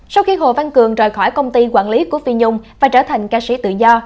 sau khi hồ văn cường rời khỏi công ty quản lý của phi nhung và trở thành ca sĩ tự do